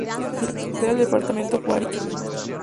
La cabecera del departamento fue Arica.